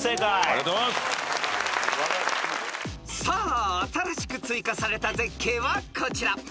［さあ新しく追加された絶景はこちら］